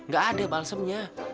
gak ada baksimnya